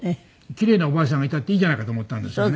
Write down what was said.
キレイなおばあさんがいたっていいじゃないかと思ったんですよね。